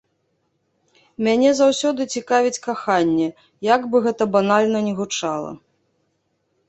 Мяне заўсёды цікавіць каханне, як бы гэта банальна не гучала.